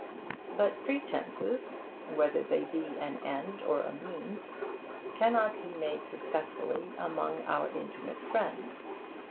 But pretences, whether they be an end or a means, cannot be made successfully among our intimate friends.